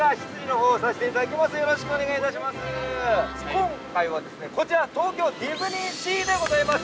今回は、こちら東京ディズニーシーでございます。